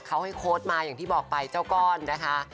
เขาให้โค้ดมาอย่างที่บอกไปเจ้าก้อนนะคะ